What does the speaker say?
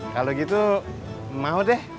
kalau gitu mau deh